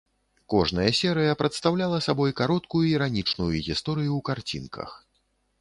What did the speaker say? Кожная серыя прадстаўляла сабой кароткую іранічную гісторыю ў карцінках.